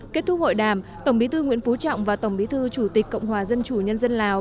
kết thúc hội đàm tổng bí thư nguyễn phú trọng và tổng bí thư chủ tịch cộng hòa dân chủ nhân dân lào